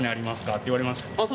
って言われました。